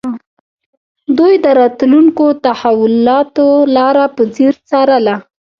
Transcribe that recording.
دوی د راتلونکو تحولاتو لاره په ځیر څارله